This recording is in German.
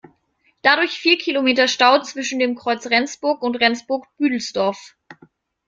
Dadurch vier Kilometer Stau zwischen dem Kreuz Rendsburg und Rendsburg-Büdelsdorf.